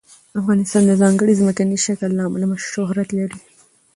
افغانستان د ځانګړي ځمکني شکل له امله شهرت لري.